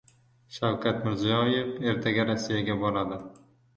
Shavkat Mirziyoyev ertaga Rossiyaga boradi